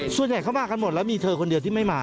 ส่วนใหญ่เข้ามากันหมดแล้วมีเธอคนเดียวที่ไม่มา